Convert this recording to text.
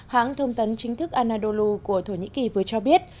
hãng thông tấn chính thức anadolu của thổ nhĩ kỳ vừa cho biết